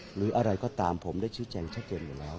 หรืออะไรก็ตามผมได้ชี้แจงชัดเจนอยู่แล้ว